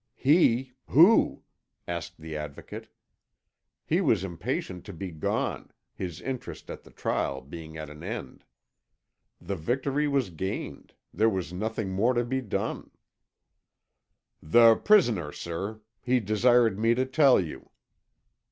"He! Who?" asked the Advocate. He was impatient to be gone, his interest at the trial being at an end. The victory was gained; there was nothing more to be done. "The prisoner, sir. He desired me to tell you."